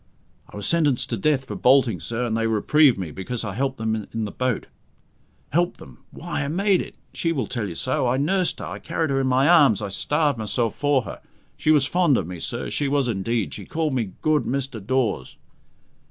"I was sentenced to death for bolting, sir, and they reprieved me because I helped them in the boat. Helped them! Why, I made it! She will tell you so. I nursed her! I carried her in my arms! I starved myself for her! She was fond of me, sir. She was indeed. She called me 'Good Mr. Dawes'."